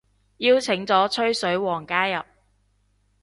邀請咗吹水王加入